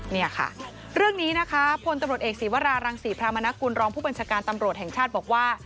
เนี่ยค่ะเรื่องนี้นะคะพลตำรวจเอกศีวรารังศรีพรามนกุลรองผู้บัญชาการตำรวจแห่งชาติบอกว่า